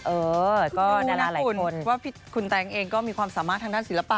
เออก็นี่นะคุณว่าคุณแต๊งเองก็มีความสามารถทางด้านศิลปะ